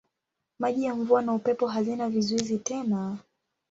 Maji ya mvua na upepo hazina vizuizi tena.